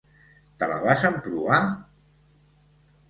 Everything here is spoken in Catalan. Te la vas emprovar?